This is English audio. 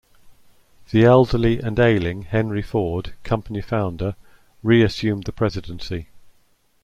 The elderly and ailing Henry Ford, company founder, re-assumed the presidency.